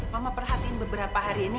mama perhatiin beberapa hari ini